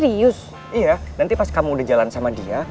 iya nanti pas kamu udah jalan sama dia